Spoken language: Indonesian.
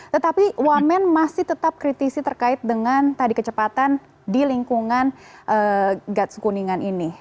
tetapi wamen masih tetap kritisi terkait dengan tadi kecepatan di lingkungan gats kuningan ini